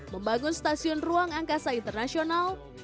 membangun stasiun ruang angkasa internasional